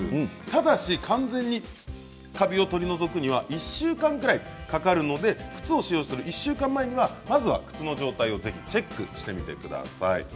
ただし完全にカビを取り除くには１週間ぐらいかかるので靴を使用する１週間前には靴の状態をチェックしてみてください。